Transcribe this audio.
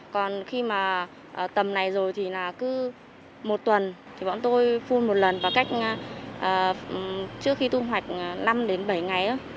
còn khi mà tầm này rồi thì là cứ một tuần thì bọn tôi phun một lần và cách trước khi thu hoạch năm đến bảy ngày